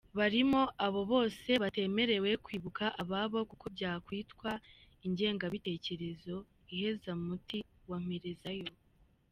Barimo abo bose batemerewe kwibuka ababo kuko byakwitwa ingengabitekerezo iheza muti wa mperezayo;